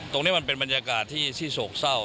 ตรงนี้มันเป็นบรรยากาศที่โศกเศร้า